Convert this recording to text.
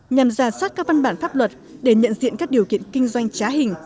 nhằm giả soát các văn bản pháp luật để nhận diện các điều kiện kinh doanh trá hình